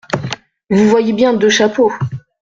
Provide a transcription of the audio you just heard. Vous voyez bien deux chapeaux !